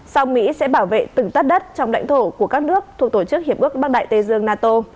sau mỹ sẽ bảo vệ từng tất đất trong lãnh thổ của các nước thuộc tổ chức hiệp ước bắc đại tây dương nato